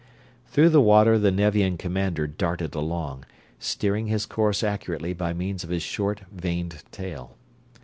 Through the water the Nevian commander darted along, steering his course accurately by means of his short, vaned tail.